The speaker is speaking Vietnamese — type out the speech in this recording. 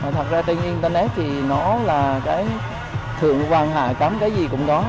thật ra trên internet thì nó là cái thượng văn hạ tấm cái gì cũng đó